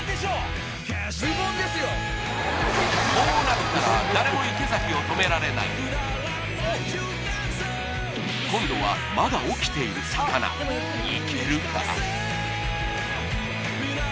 こうなったら誰も池崎を止められない今度はまだいけるか？